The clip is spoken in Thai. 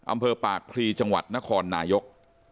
อำเภอปากพลีจังหวัดนครนายก